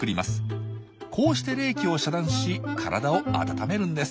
こうして冷気を遮断し体を温めるんです。